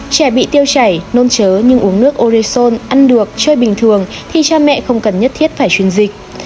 trẻ bị tiêu chảy nôn chớ nhưng uống nước orezon ăn được chơi bình thường thì cha mẹ không cần nhất thiết phải truyền dịch